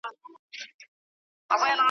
د ښار خلک که زاړه وه که ځوانان وه .